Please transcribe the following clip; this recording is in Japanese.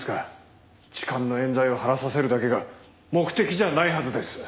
痴漢の冤罪を晴らさせるだけが目的じゃないはずです。